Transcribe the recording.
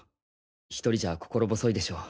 １人じゃ心細いでしょう。